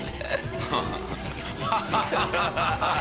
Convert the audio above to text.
ハハハハッ。